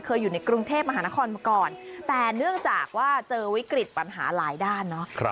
อยู่ในกรุงเทพมหานครมาก่อนแต่เนื่องจากว่าเจอวิกฤตปัญหาหลายด้านเนาะ